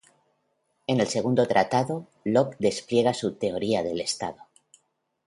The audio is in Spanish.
En el Segundo Tratado, Locke despliega su teoría del Estado.